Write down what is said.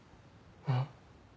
うん。